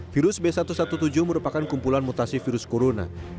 virus b satu satu tujuh merupakan kumpulan mutasi virus corona